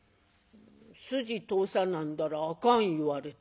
「筋通さなんだらあかん言われて」。